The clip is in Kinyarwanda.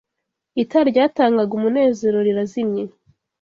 itara ryatangaga umunezero rirazimye